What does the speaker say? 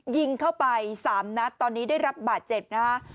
ยิงเข้าไป๓นัดตอนนี้ได้รับบาดเจ็บนะฮะ